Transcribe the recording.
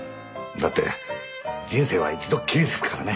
だって人生は一度っきりですからね。